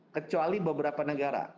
kecuali beberapa negara